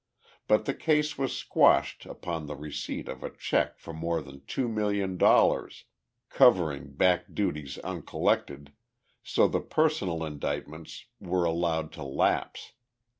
But the case was quashed upon the receipt of a check for more than two million dollars, covering back duties uncollected, so the personal indictments were allowed to lapse.